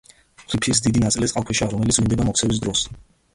რიფის დიდი ნაწილი წყალქვეშაა, რომელიც ვლინდება მოქცევის დროს.